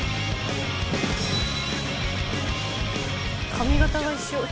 髪形が一緒。